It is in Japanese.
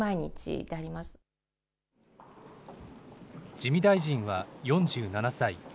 自見大臣は４７歳。